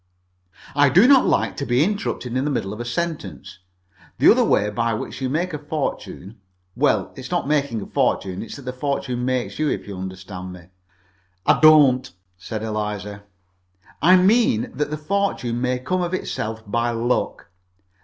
"I do not like to be interrupted in the middle of a sentence. The other way by which you may make a fortune well, it's not making a fortune. It's that the fortune makes you, if you understand me." "I don't," said Eliza. "I mean that the fortune may come of itself by luck.